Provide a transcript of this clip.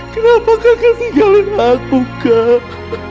kenapa kakak tinggalin aku kak